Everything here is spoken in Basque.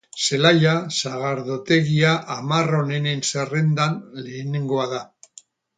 Zelaia sagardotegia hamar onenen zerrendan lehenengoa da.